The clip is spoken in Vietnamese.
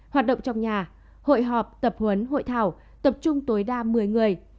hoạt động trong nhà hội họp tập huấn hội thảo tập trung tối đa một mươi người